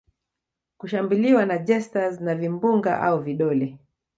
kushambuliwa na jesters na vimbunga au vidole